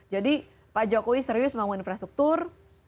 jadi pak jokowi serius ngomong infrastruktur